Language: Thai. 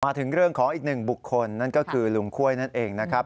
ถึงเรื่องของอีกหนึ่งบุคคลนั่นก็คือลุงค่วยนั่นเองนะครับ